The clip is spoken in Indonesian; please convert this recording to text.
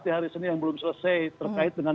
di hari senin yang belum selesai terkait dengan